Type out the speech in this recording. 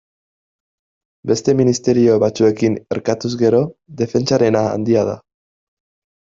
Beste ministerio batzuekin erkatuz gero, defentsarena handia da.